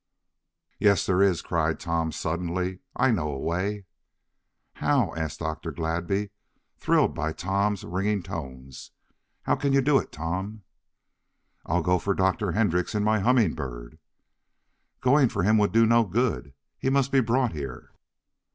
"Yes, there is!" cried Tom, suddenly. "I know a way!" "How?" asked Dr. Gladby, thrilled by Tom's ringing tones. "How can you do it, Tom?" "I'll go for Dr. Hendrix in my Humming Bird." "Going for him would do no good. He must be brought here."